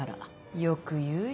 よく言うよ。